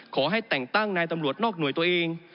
ขอให้แต่งตั้งนายตำรวจนอกหน่วยตัวเอง